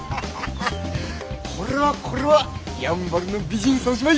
これはこれはやんばるの美人三姉妹！